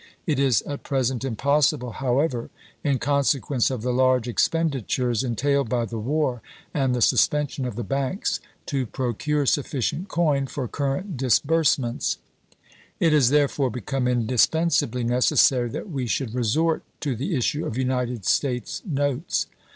It is at present impossible, however, in consequence of the large expenditures entailed by the war and the sus pension of the banks, to procure sufficient coin for current disbursements. It has therefore become indispensably necessary that we should resort to the issue of United States notes.